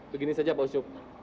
begini saja pak ucup